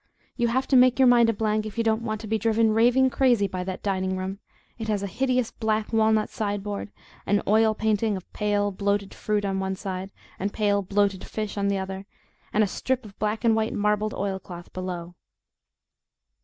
You HAVE to make your mind a blank if you don't want to be driven raving crazy by that dining room. It has a hideous black walnut sideboard, an "oil painting" of pale, bloated fruit on one side, and pale, bloated fish on the other, and a strip of black and white marbled oil cloth below.